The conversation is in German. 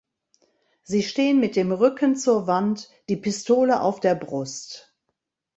Sie stehen mit dem Rücken zur Wand, die Pistole auf der Brust.